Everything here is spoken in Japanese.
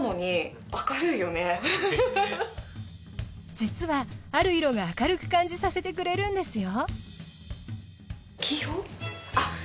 実はある色が明るく感じさせてくれるんですよ。